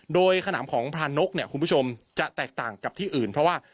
โดยขนำของพรานกเนี่ยคุณผู้ชมจะแตกต่างกับที่อื่นเพราะว่า